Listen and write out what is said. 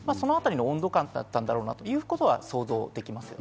その温度感だっただろうなということが想像できます。